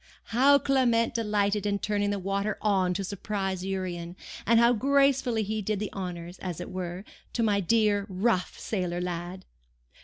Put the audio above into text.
How Clement delighted in turning the water on to surprise Urian, and how gracefully he did the honours, as it were, to my dear, rough, sailor lad!